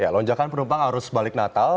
lonjakan penumpang arus balik natal